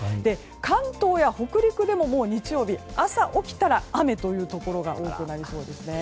関東や北陸でも日曜日朝起きたら雨というところが多くなりそうです。